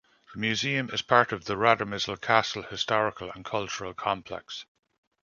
The Museum is the part of the Radomysl Castle historical and cultural complex.